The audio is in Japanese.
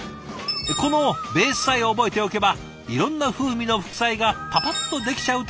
このベースさえ覚えておけばいろんな風味の副菜がパパッとできちゃうというわけ。